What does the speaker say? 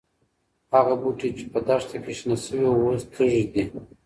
هغه بوټي چې په دښته کې شنه شوي وو، اوس تږي دي.